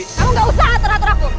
kamu gak usah atur atur aku